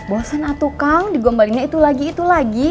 gombal bosen atuh kang digombalinnya itu lagi itu lagi